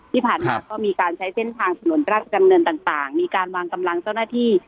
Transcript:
ที่ผ่านมาก็มีการใช้เส้นทางถนนราชดำเนินต่างมีการวางกำลังเจ้าหน้าที่